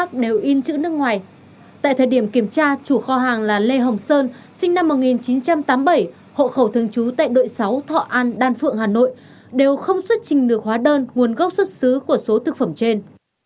tại thời điểm kiểm tra chủ kho hàng là lê hồng sơn sinh năm một nghìn chín trăm tám mươi bảy hộ khẩu thường trú tại đội sáu thọ an phượng hà nội đều không xuất trình được hóa đơn nguồn gốc xuất xứ của số thực phẩm trên